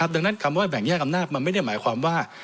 ดังนั้นคำว่าแบ่งแยกอำนาจมันไม่ได้หมายความว่า